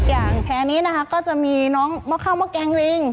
อย่างแผนนี้ก็จะมีน้องมะคราวมะแกงริง